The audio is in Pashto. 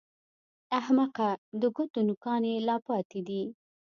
احمقه! د ګوتو نوکان يې لا پاتې دي!